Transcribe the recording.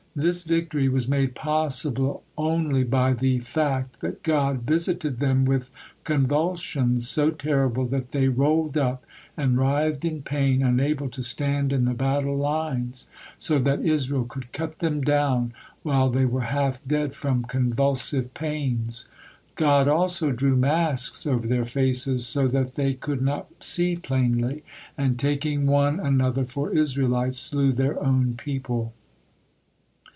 This victory was made possible only by the fact that God visited them with convulsions so terrible that they rolled up and writhed in pain, unable to stand in the battle lines, so that Israel could cut them down while they were half dead from convulsive pains. God also drew masks over their faces, so that they could not see plainly, and taking one another for Israelites, slew their own people.